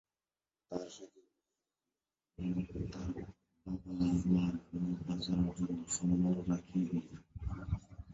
তার সাথে বিয়ে দিয়ে মেয়ে এবং তার বাবা-মা'র মুখ বাঁচানোর জন্য সম্মান রাখে বীর।